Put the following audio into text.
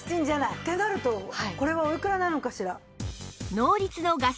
ってなるとこれはおいくらなのかしら？